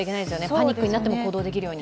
パニックになっても行動ができるように。